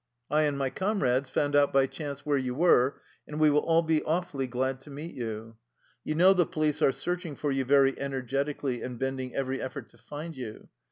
I and my comrades found out by chance where you were, and we will all be awfully glad to meet you. You know the police are searching for you very energetically and bend ing every effort to find you.